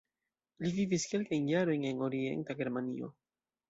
Li vivis kelkajn jarojn en Orienta Germanio.